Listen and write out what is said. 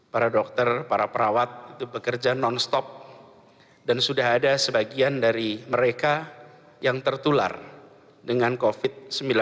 para dokter para perawat itu bekerja non stop dan sudah ada sebagian dari mereka yang tertular dengan covid sembilan belas